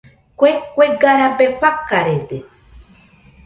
Kue kuega rabe rafarede.